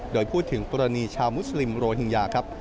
โดยพูดถึงกรณีชาวมุสลิมโรฮิงญาครับ